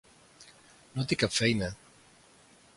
No té cap feina.